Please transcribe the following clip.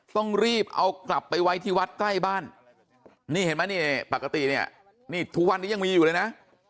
ต้องรีบเอากลับไปไว้ที่วัดใกล้บ้านนี่เห็นไหมนี่ปกติเนี่ยนี่ทุกวันนี้ยังมีอยู่เลยนะ